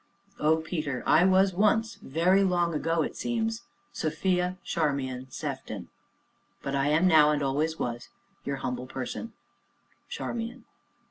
Oh, Peter I was once, very long ago it seems, Sophia Charmian Sefton, but I am now, and always was, Your Humble Person, "CHARMIAN."